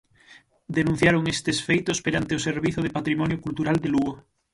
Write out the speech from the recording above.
Denunciaron estes feitos perante o Servizo de Patrimonio Cultural de Lugo.